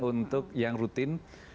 untuk yang rutin